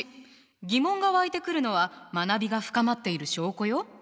疑問が湧いてくるのは学びが深まっている証拠よ。